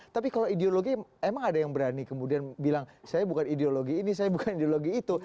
tapi kalau ideologi emang ada yang berani kemudian bilang saya bukan ideologi ini saya bukan ideologi itu